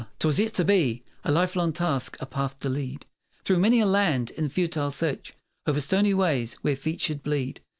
'Twas yet to be A lifelong task a path to lead Through many a land, in futile search O'er stony ways where feet should bleed.